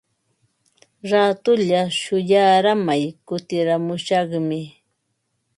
Raatulla shuyaaramay kutiramushaqmi.